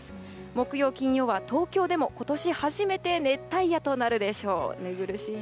木曜、金曜は東京でも今年初めて熱帯夜となるでしょう。